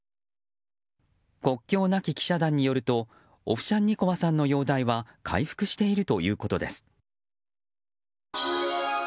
国境なき記者団によるとオフシャンニコワさんの容体は回復しているということです。